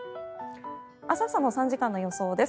明日朝の３時間の予想です。